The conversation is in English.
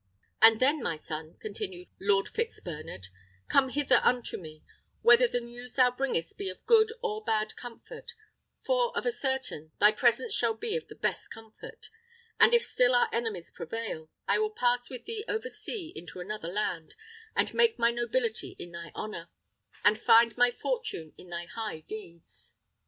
"And then, my son," continued Lord Fitzbernard, "come hither unto me, whether the news thou bringest be of good or bad comfort; for, of a certain, thy presence shall be of the best comfort; and if still our enemies prevail, I will pass with thee over sea into another land, and make my nobility in thy honour, and find my fortune in thy high deeds."